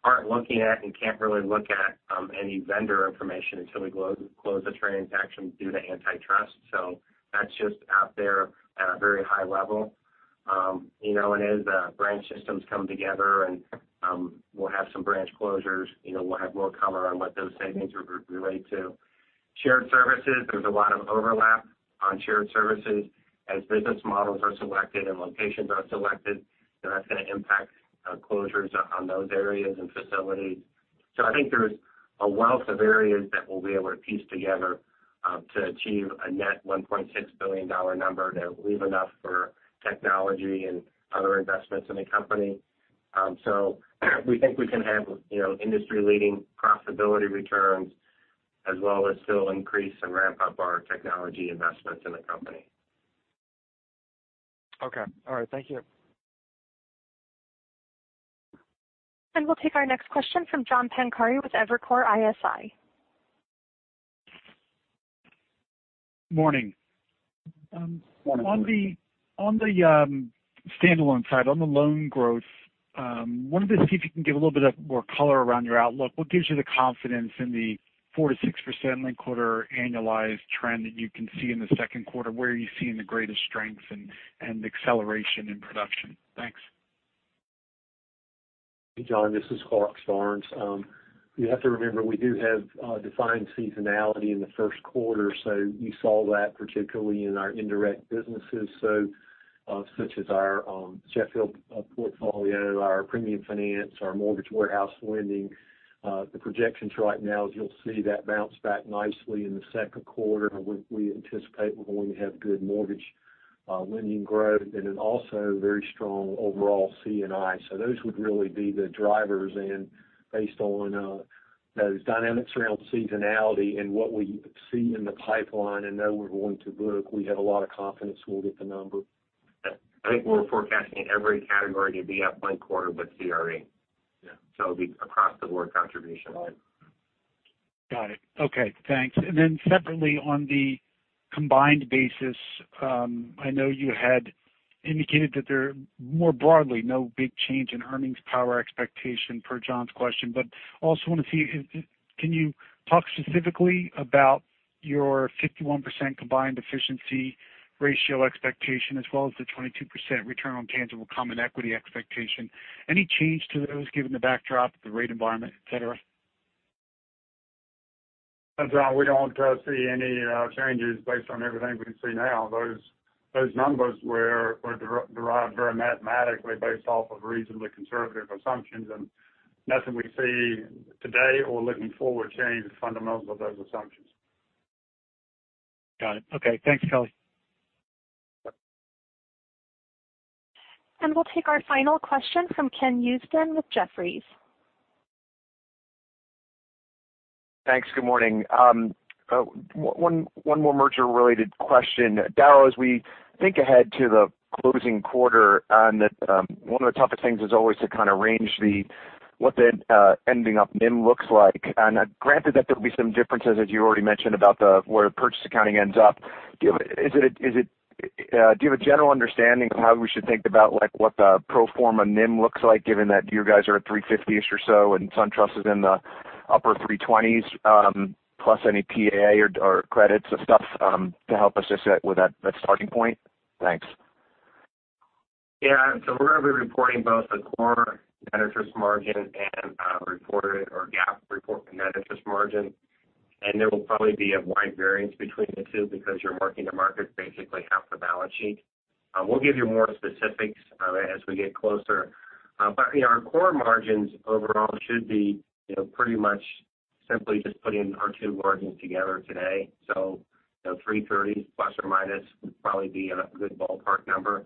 aren't looking at and can't really look at any vendor information until we close the transaction due to antitrust. That's just out there at a very high level. As the branch systems come together and we'll have some branch closures, we'll have more color on what those savings relate to. Shared services, there's a lot of overlap on shared services. As business models are selected and locations are selected, that's going to impact closures on those areas and facilities. I think there's a wealth of areas that we'll be able to piece together, to achieve a net $1.6 billion number to leave enough for technology and other investments in the company. We think we can have industry-leading profitability returns as well as still increase and ramp up our technology investments in the company. Okay. All right. Thank you. We'll take our next question from John Pancari with Evercore ISI. Morning. Morning. On the standalone side, on the loan growth, I wanted to see if you can give a little bit more color around your outlook. What gives you the confidence in the 4%-6% linked quarter annualized trend that you can see in the second quarter? Where are you seeing the greatest strengths and acceleration in production? Thanks. Hey, John. This is Clarke Starnes. You have to remember, we do have defined seasonality in the first quarter, you saw that particularly in our indirect businesses, such as our Sheffield portfolio, our premium finance, our mortgage warehouse lending. The projections right now, as you'll see, that bounce back nicely in the second quarter. We anticipate we're going to have good mortgage lending growth and then also very strong overall C&I. Those would really be the drivers. Based on those dynamics around seasonality and what we see in the pipeline and know we're going to book, we have a lot of confidence we'll get the number. I think we're forecasting every category to be up one quarter but CRE. Yeah. It'll be across the board contribution. Got it. Okay, thanks. Separately, on the combined basis, I know you had indicated that there are more broadly no big change in earnings power expectation per John's question. Also want to see, can you talk specifically about your 51% combined efficiency ratio expectation as well as the 22% return on tangible common equity expectation? Any change to those given the backdrop, the rate environment, et cetera? John, we don't see any changes based on everything we can see now. Those numbers were derived very mathematically based off of reasonably conservative assumptions. Nothing we see today or looking forward changes the fundamentals of those assumptions. Got it. Okay. Thanks, Kelly. We'll take our final question from Ken Usdin with Jefferies. Thanks. Good morning. One more merger-related question. Daryl, as we think ahead to the closing quarter, one of the toughest things is always to kind of range what the ending up NIM looks like. Granted that there'll be some differences, as you already mentioned, about where the purchase accounting ends up. Do you have a general understanding of how we should think about what the pro forma NIM looks like, given that you guys are at 350s or so and SunTrust is in the upper 320s, plus any PAA or credits or stuff to help us just with that starting point? Thanks. Yeah. We're going to be reporting both the core net interest margin and reported or GAAP report net interest margin. There will probably be a wide variance between the two because you're marking to market basically half the balance sheet. We'll give you more specifics as we get closer. Our core margins overall should be pretty much simply just putting our two margins together today. 330 plus or minus would probably be a good ballpark number.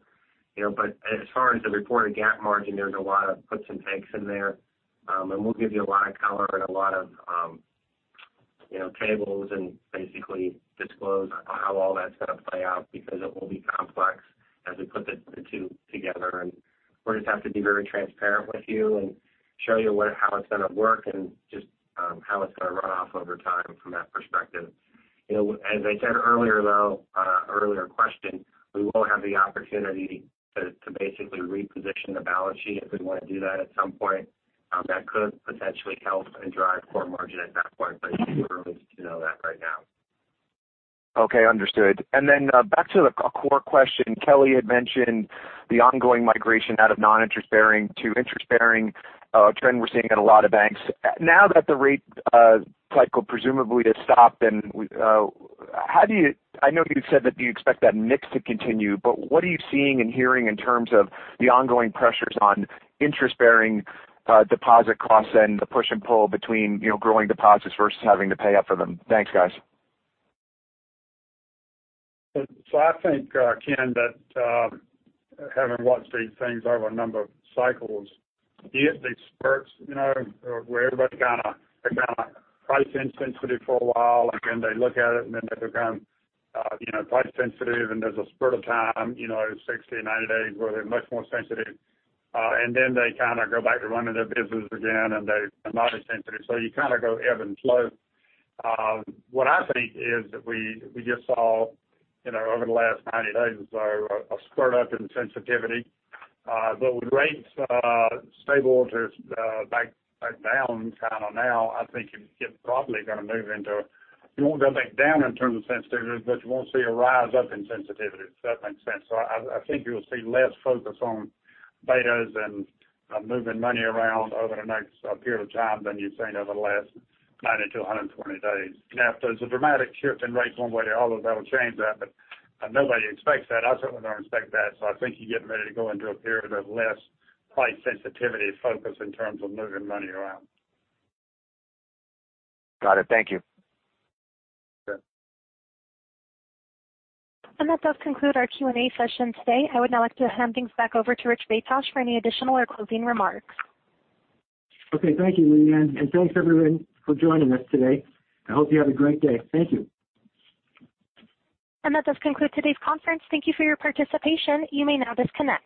As far as the reported GAAP margin, there's a lot of puts and takes in there. We'll give you a lot of color and a lot of tables and basically disclose how all that's going to play out because it will be complex as we put the two together. We'll just have to be very transparent with you and show you how it's going to work and just how it's going to run off over time from that perspective. As I said earlier, though, earlier question, we will have the opportunity to basically reposition the balance sheet if we want to do that at some point. That could potentially help and drive core margin at that point, but it's too early to know that right now. Okay, understood. Back to the core question. Kelly had mentioned the ongoing migration out of non-interest bearing to interest bearing trend we're seeing at a lot of banks. Now that the rate cycle presumably has stopped, I know you said that you expect that mix to continue, what are you seeing and hearing in terms of the ongoing pressures on interest-bearing deposit costs and the push and pull between growing deposits versus having to pay up for them? Thanks, guys. I think, Ken, that having watched these things over a number of cycles, these spurts where everybody's kind of price insensitive for a while, they look at it, they become price sensitive, there's a spurt of time, 60, 90 days where they're much more sensitive. They kind of go back to running their business again, they're not as sensitive. You kind of go ebb and flow. What I think is that we just saw over the last 90 days or so a spurt up in sensitivity. With rates stable to back down kind of now, I think you're probably going to move into you won't go back down in terms of sensitivity, but you won't see a rise up in sensitivity, if that makes sense. I think you'll see less focus on betas and moving money around over the next period of time than you've seen over the last 90 to 120 days. Now, if there's a dramatic shift in rates one way or another, that'll change that, nobody expects that. I certainly don't expect that. I think you're getting ready to go into a period of less price sensitivity focus in terms of moving money around. Got it. Thank you. Sure. That does conclude our Q&A session today. I would now like to hand things back over to Rich Batusch for any additional or closing remarks. Okay. Thank you, Leanne. Thanks, everyone, for joining us today. I hope you have a great day. Thank you. That does conclude today's conference. Thank you for your participation. You may now disconnect.